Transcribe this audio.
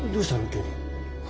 急に。